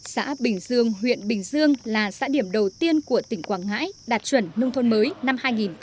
xã bình dương huyện bình dương là xã điểm đầu tiên của tỉnh quảng ngãi đạt chuẩn nông thôn mới năm hai nghìn một mươi